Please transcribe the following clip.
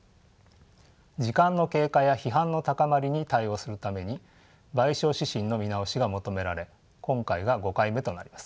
時間の経過や批判の高まりに対応するために賠償指針の見直しが求められ今回が５回目となります。